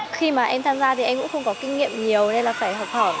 khi mà em tham gia thì em cũng không có kinh nghiệm nhiều nên là phải học hỏi